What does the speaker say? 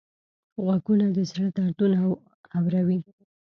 غوږونه د زړه دردونه اوري